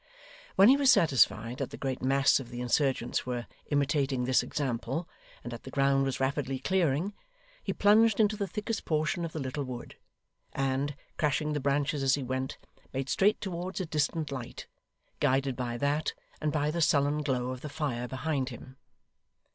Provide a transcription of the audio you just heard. When he was satisfied that the great mass of the insurgents were imitating this example, and that the ground was rapidly clearing, he plunged into the thickest portion of the little wood; and, crashing the branches as he went, made straight towards a distant light: guided by that, and by the sullen glow of the fire behind him.